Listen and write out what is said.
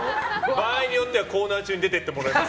場合によってはコーナー中に出ていってもらいます。